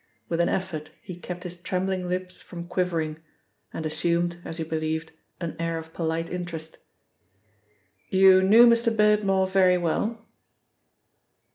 With an effort he kept his trembling lips from quivering, and assumed, as he believed, an air of polite interest. "You knew Mr. Beardmore very well?"